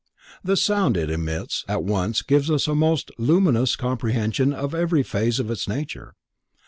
The sound it emits at once gives us a most luminous comprehension of every phase of its nature.